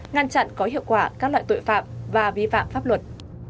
ngăn chặn có hiệu quả các loại tội phạm và vi phạm pháp luật